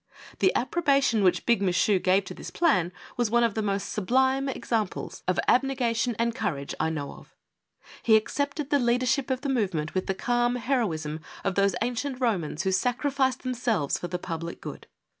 The approbation which Big Michu gave to tliis plan was one of the most sublime examples of 316 BIG MICHU. abnegation and courage I know of. He accepted the leadership of the movement with the calm heroism of those ancient Eomans who sacrificed themselves for the public good.